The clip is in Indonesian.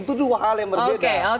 itu dua hal yang berbeda